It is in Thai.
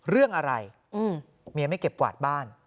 เรื่องอะไรเมียไม่เก็บกวาดบ้าน